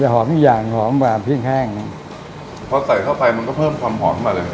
หอมทุกอย่างหอมแบบพริกแห้งพอใส่เข้าไปมันก็เพิ่มความหอมมาเลย